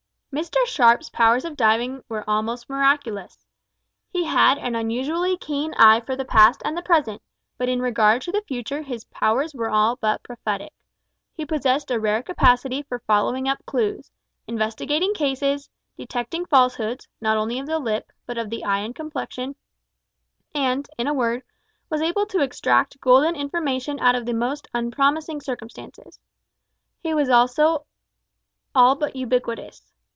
Mr Sharp's powers of diving were almost miraculous. He had an unusually keen eye for the past and the present, but in regard to the future his powers were all but prophetic. He possessed a rare capacity for following up clues; investigating cases; detecting falsehoods, not only of the lip, but of the eye and complexion; and, in a word, was able to extract golden information out of the most unpromising circumstances. He was also all but ubiquitous.